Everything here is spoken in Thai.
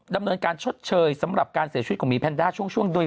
ดำเนินการชดเชยสำหรับการเสียชีวิตของหมีแพนด้าช่วงโดย